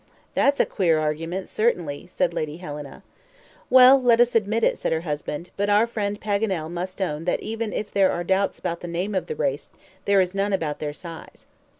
"That's a queer argument, certainly," said Lady Helena. "Well, let us admit it," said her husband, "but our friend Paganel must own that even if there are doubts about the name of the race there is none about their size."